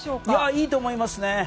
いいと思いますね。